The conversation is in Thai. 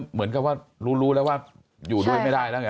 เหมือนกับว่ารู้แล้วว่าอยู่ด้วยไม่ได้แล้วไง